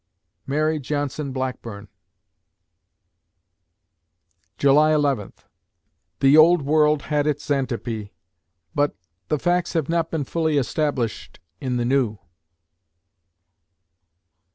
MARY JOHNSON BLACKBURN July Eleventh The Old World had its Xantippe; but the facts have not been fully established in the New!